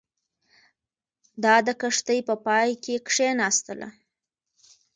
دا د کښتۍ په پای کې کښېناستله.